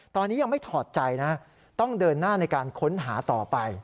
ตอนนี้ยังไม่ถอดใจนะต้องเดินหน้าในการค้นหาต่อไป